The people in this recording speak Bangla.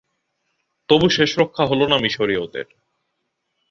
তবু শেষরক্ষা হলো না মিসরীয়দের।